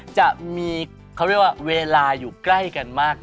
จะมีเขาเรียกว่าเวลาอยู่ใกล้กันมาก